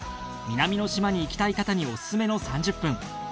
南の島に行きたい方にオススメの３０分。